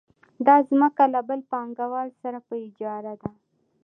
دا ځمکه له بل پانګوال سره په اجاره ده